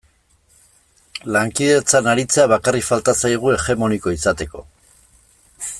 Lankidetzan aritzea bakarrik falta zaigu hegemoniko izateko.